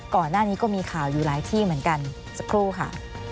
ก่อนหน้านี้ก็มีข่าวอยู่หลายที่เหมือนกันสักครู่ค่ะ